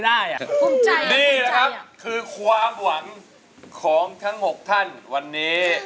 นี่แหละครับคือความหวังของทั้ง๖ท่านวันนี้